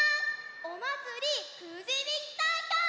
おまつりくじびきたいかい！